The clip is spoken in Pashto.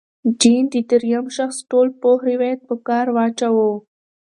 جین د درېیم شخص ټولپوه روایت په کار واچاوه.